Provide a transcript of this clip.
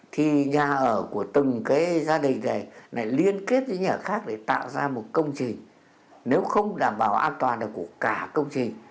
thì nhà ở của từng cái gia đình này liên kết với nhà khác để tạo ra một công trình nếu không đảm bảo an toàn được của cả công trình